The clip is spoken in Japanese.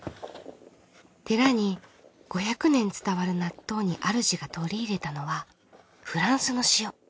寺に５００年伝わる納豆にあるじが取り入れたのはフランスの塩。